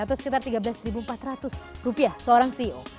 atau sekitar tiga belas empat ratus seorang ceo